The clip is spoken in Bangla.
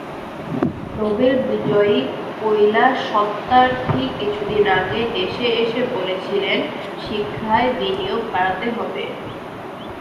নোবেল বিজয়ী কৈলাস সত্যার্থী কিছুদিন আগে দেশে এসে বলেছিলেন, শিক্ষায় বিনিয়োগ বাড়াতে হবে।